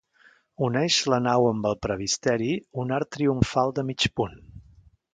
Uneix la nau amb el presbiteri un arc triomfal de mig punt.